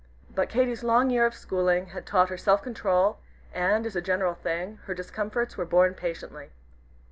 But Katy's long year of schooling had taught her self control, and, as a general thing, her discomforts were borne patiently.